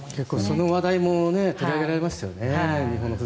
その話題も取り上げられますよね。